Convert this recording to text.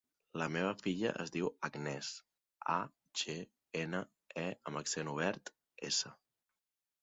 La meva filla es diu Agnès: a, ge, ena, e amb accent obert, essa.